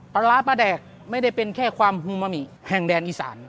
ปลาร้าปลาแดกไม่ได้เป็นแค่ความฮูมามิแห่งแดนอีสาน